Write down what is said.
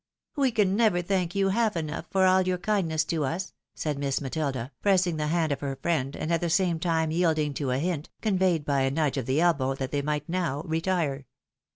" We can never thank you half enough for all your kindness to us," said Miss jMatilda, pressing the hand of her friend, and at the same time yielding to a hint, conveyed by a nudge of the elbow, that they might now retire.